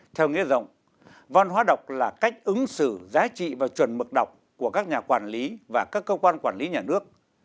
theo nghĩa rộng văn hóa đọc là cách ứng xử giá trị và chuẩn mực đọc của các nhà quản lý và các cơ quan quản lý nhà nước